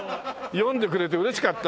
読んでくれて嬉しかった。